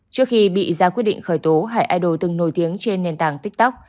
trước khi bị ra quyết định khởi tố hải idol từng nổi tiếng trên nền tảng tiktok